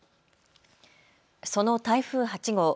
その台風８号。